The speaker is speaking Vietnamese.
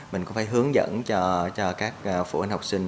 mình cũng phải hướng dẫn cho các phụ huynh học sinh